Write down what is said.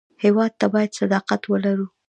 هېواد ته باید صداقت ولرو